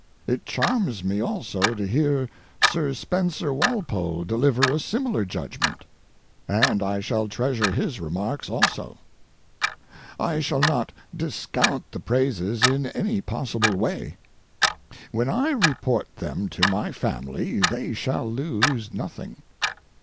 It charms me also to hear Sir Spencer Walpole deliver a similar judgment, and I shall treasure his remarks also. I shall not discount the praises in any possible way. When I report them to my family they shall lose nothing.